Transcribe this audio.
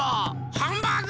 ハンバーグ！